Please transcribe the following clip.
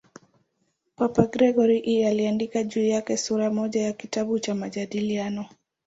Papa Gregori I aliandika juu yake sura moja ya kitabu cha "Majadiliano".